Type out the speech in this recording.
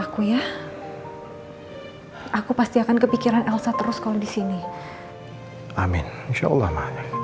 kok bapak kerjanya lama sih mak